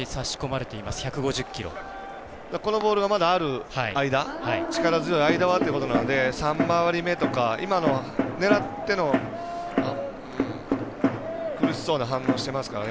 このボールがまだある間力強い間はということなので狙っても苦しそうな反応してますから。